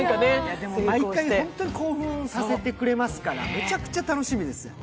毎回、本当に興奮させてくれますからめちゃくちゃ楽しみです。